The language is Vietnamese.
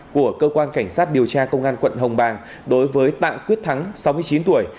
của cơ quan cảnh sát điều tra công an quận hồng bàng đối với tạng quyết thắng sáu mươi chín tuổi